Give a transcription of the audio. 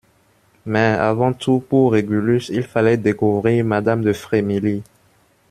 Mais, avant tout, pour Régulus, il fallait découvrir madame de Frémilly.